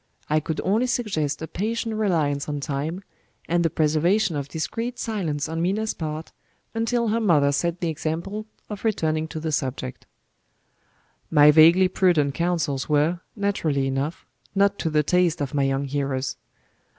I could only suggest a patient reliance on time, and the preservation of discreet silence on Minna's part, until her mother set the example of returning to the subject. My vaguely prudent counsels were, naturally enough, not to the taste of my young hearers.